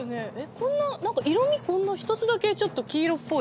こんななんか色味こんな一つだけちょっと黄色っぽい。